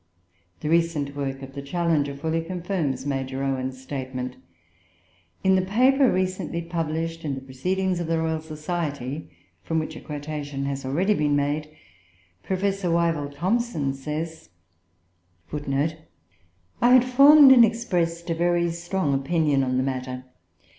The recent work of the Challenger fully confirms Major Owen's statement. In the paper recently published in the proceedings of the Royal Society, from which a quotation has already been made, Professor Wyville Thomson says: "I had formed and expressed a very strong opinion on the matter.